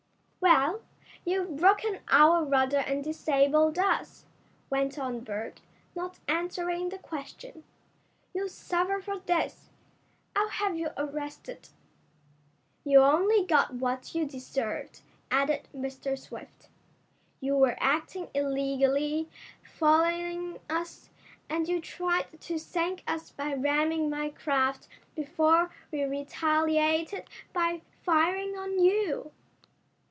"Well, you've broken our rudder and disabled us," went on Berg, not answering the question. "You'll suffer for this! I'll have you arrested." "You only got what you deserved," added Mr. Swift. "You were acting illegally, following us, and you tried to sink us by ramming my craft before we retaliated by firing on you."